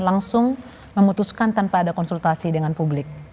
langsung memutuskan tanpa ada konsultasi dengan publik